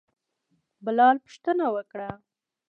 بلال پوښتنه وکړه.